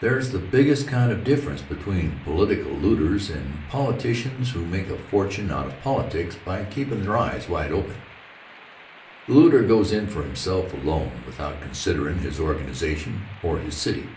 There's the biggest kind of a difference between political looters and politicians who make a fortune out of politics by keepin' their eyes wide open. The looter goes in for himself alone without considerin' his organization or his city.